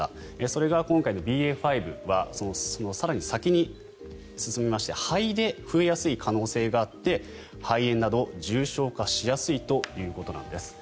それが今回のＢＡ．５は更に先に進みまして肺で増えやすい可能性があって肺炎など重症化しやすいということなんです。